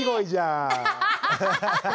アハハハハ！